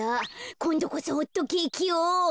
こんどこそホットケーキを。